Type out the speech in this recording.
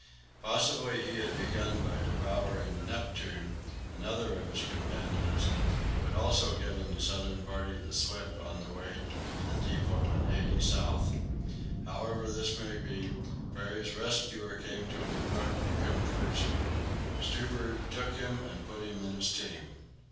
Possibly he had begun by devouring Neptune, another of his companions, who had also given the southern party the slip on the way to the depot in 80° S. However this may be, Peary's rest cure came to an abrupt conclusion. Stubberud took him and put him in his team.